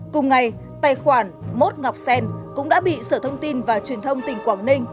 cùng ngày tài khoản mốt ngọc sen cũng đã bị sở thông tin và truyền thông tỉnh quảng ninh